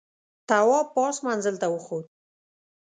تواب پاس منزل ته وخوت.